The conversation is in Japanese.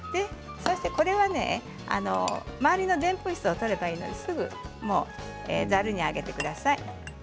そして、これは周りのでんぷん質を取ればいいのですぐに、ざるに上げてください。